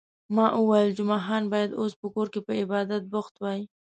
ما وویل، جمعه خان باید اوس په کور کې په عبادت بوخت وای.